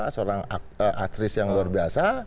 seorang aktris yang luar biasa